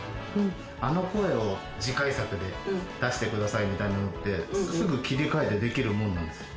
あの声を次回作で出してくださいみたいなのって、すぐ切り替えてできるものなんですか？